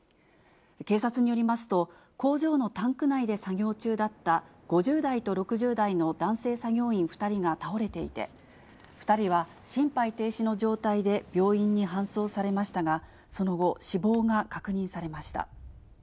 警察によりますと、工場のタンク内で作業中だった５０代と６０代の男性作業員２人が倒れていて、２人は心肺停止の状態で病院に搬送されましたが、その後、死亡が確認されました。